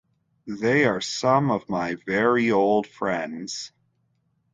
They are some of my very old friends.